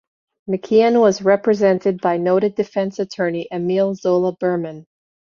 McKeon was represented by noted defense attorney Emile Zola Berman.